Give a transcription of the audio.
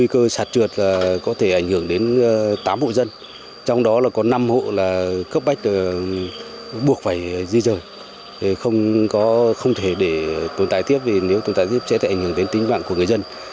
cấp bách buộc phải di rời không thể để tồn tại tiếp vì nếu tồn tại tiếp sẽ ảnh hưởng đến tính mạng của người dân